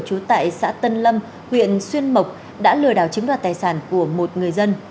trú tại xã tân lâm huyện xuyên mộc đã lừa đảo chiếm đoạt tài sản của một người dân